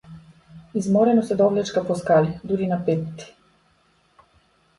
Изморено се довлечка по скали дури на петти.